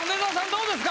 どうですか？